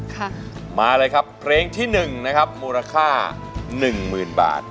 ค่ะมาเลยครับเพลงที่๑นะครับมูลค่า๑๐๐๐๐บาท